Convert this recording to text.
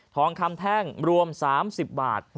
ทองคำแท่งรวม๓๐บาท